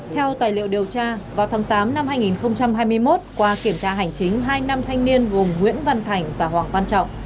theo tài liệu điều tra vào tháng tám năm hai nghìn hai mươi một qua kiểm tra hành chính hai nam thanh niên gồm nguyễn văn thành và hoàng văn trọng